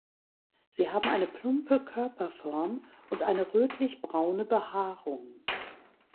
Sie haben eine plumpe Körperform und eine rötlich braune Behaarung.